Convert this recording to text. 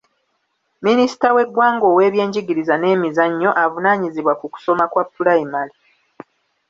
Minisita w’eggwanga ow'ebyenjigiriza n'emizannyo, avunaanyizibwa ku kusoma kwa pulayimale.